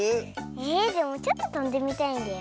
えでもちょっととんでみたいんだよね。